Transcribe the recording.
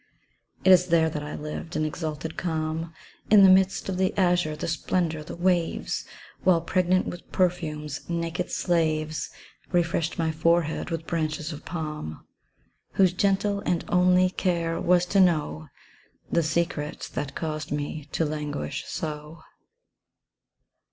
It is there that I lived in exalted calm, In the midst of the azure, the splendour, the waves, While pregnant with perfumes, naked slaves Refreshed my forehead with branches of palm, Whose gentle and only care was to know The secret that caused me to languish so.